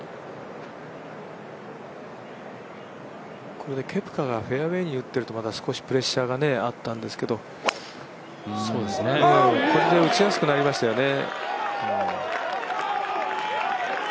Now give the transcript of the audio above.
これでケプカがフェアウエーに打ってたらプレッシャーがあったんですけどこれで打ちやすくなりましたよね。